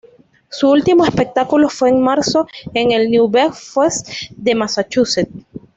Su último espectáculo fue en marzo en el New Bedford Fest de Massachusetts.